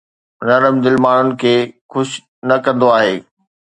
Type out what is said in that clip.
نرم دل ماڻهن کي خوش نه ڪندو آهي